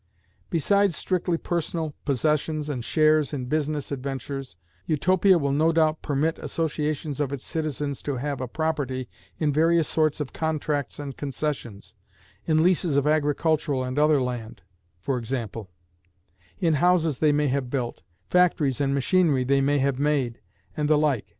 Besides strictly personal possessions and shares in business adventures, Utopia will no doubt permit associations of its citizens to have a property in various sorts of contracts and concessions, in leases of agricultural and other land, for example; in houses they may have built, factories and machinery they may have made, and the like.